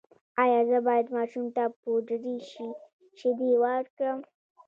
ایا زه باید ماشوم ته پوډري شیدې ورکړم؟